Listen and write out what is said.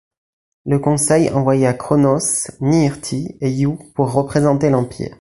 Le Conseil envoya Cronos, Niirti et Yu pour représenter l'Empire.